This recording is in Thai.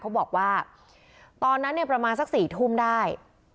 เขาบอกว่าตอนนั้นเนี่ยประมาณสัก๔ทุ่มได้